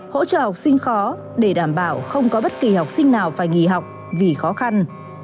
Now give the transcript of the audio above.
hỗ trợ học sinh khó để đảm bảo không có bất kỳ học sinh nào phải nghỉ học vì khó khăn